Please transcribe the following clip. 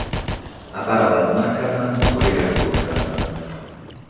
A paràulas macas origras surdas!